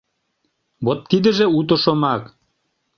Вот тидыже уто шомак.